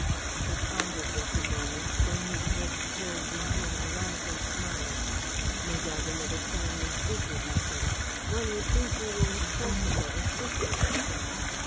He pondered this a moment, then his lips curved into an ironical smile. "No doubt another family secret!" he said. "One would think we were in Corsica or Sicily!